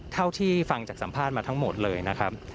เท่าที่ฟังจากสัมภาษณ์มาทั้งหมดเลยนะครับ